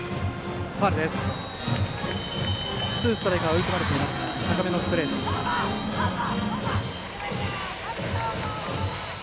ツーストライクと追い込まれていましたが高めのストレートでした。